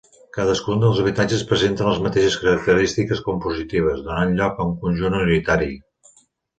Cadascun dels habitatges presenten les mateixes característiques compositives, donant lloc a un conjunt unitari.